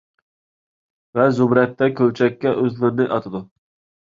ۋە زۇمرەتتەك كۆلچەككە ئۆزلىرىنى ئاتىدۇ.